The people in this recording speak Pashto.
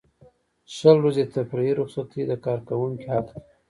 شل ورځې تفریحي رخصتۍ د کارکوونکي حق دی.